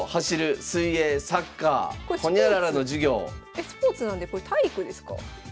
これスポーツスポーツなんでこれ体育ですか？